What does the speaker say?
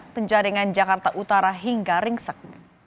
penjaringan jakarta utara hingga ringsek